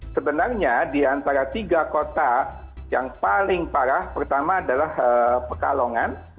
sebenarnya di antara tiga kota yang paling parah pertama adalah pekalongan